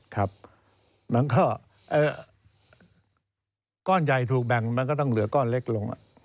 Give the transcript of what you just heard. ครับมันก็ก้อนใหญ่ถูกแบ่งมันก็ต้องเหลือก้อนเล็กลง